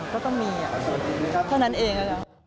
ก็ต้องมีเท่านั้นเอง